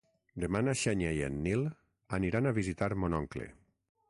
Demà na Xènia i en Nil aniran a visitar mon oncle.